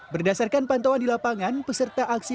berdasarkan pantauan di lapangan peserta aksi